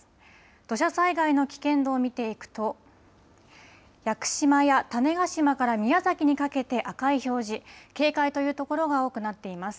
土砂災害の危険度を見ていくと屋久島や種子島から宮崎にかけて赤い表示、警戒というところが多くなっています。